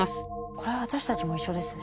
これは私たちも一緒ですね。